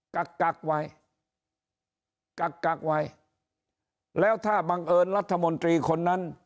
กักกักไว้กักกักไว้แล้วถ้าบังเอิญรัฐมนตรีคนนั้น